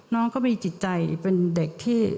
น้องก็มีจิตใจเป็นเด็กที่